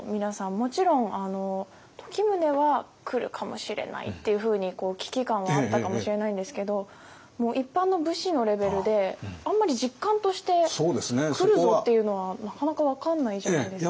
もちろん時宗は来るかもしれないっていうふうに危機感はあったかもしれないんですけど一般の武士のレベルであんまり実感として来るぞっていうのはなかなか分かんないじゃないですか。